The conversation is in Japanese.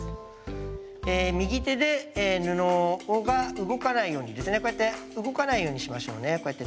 え右手で布が動かないようにですねこうやって動かないようにしましょうねこうやって。